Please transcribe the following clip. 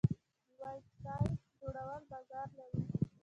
د ویب سایټ جوړول بازار لري؟